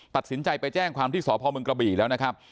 ตัดสินใจไปแจ้งความที่สพมกระบี่แล้วนะครับ